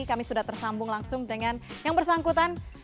kami sudah tersambung langsung dengan yang bersangkutan